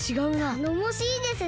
たのもしいですね。